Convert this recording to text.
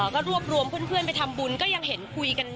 ก็รวบรวมเพื่อนไปทำบุญก็ยังเห็นคุยกัน